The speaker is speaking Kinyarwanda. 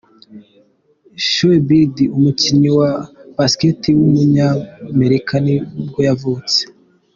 Sue Bird, umukinnyi wa basketball w’umunyamerika ni bwo yavutse.